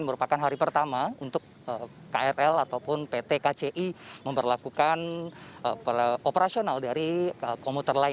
merupakan hari pertama untuk krl ataupun pt kci memperlakukan operasional dari komuter lain